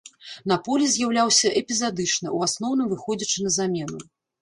На полі з'яўляўся эпізадычна, у асноўным выходзячы на замену.